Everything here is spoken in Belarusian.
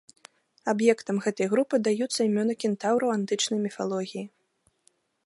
Аб'ектам гэтай групы даюцца імёны кентаўраў антычнай міфалогіі.